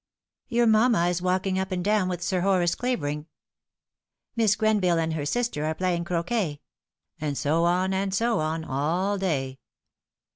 Tour mamma is walking up and down with Sir Horace Clavering. Miss Grenville and her sister are playing croquet ;" and so on, and so on, all day.